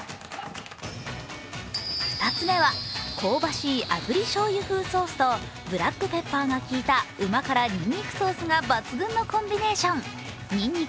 ２つ目は、香ばしいあぶりしょうゆ風ソースと旨辛にんにくソースが抜群のコンビネーションにんにく